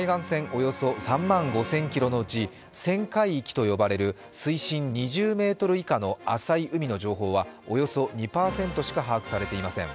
およそ３万５０００ｋｍのうち浅海域とされる水深２０ｍ以下の浅い海の情報はおよそ２％しか把握されていません